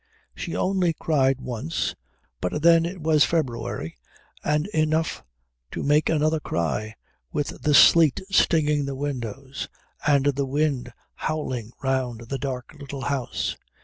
She only cried once, but then it was February and enough to make anybody cry, with the sleet stinging the windows and the wind howling round the dark little house.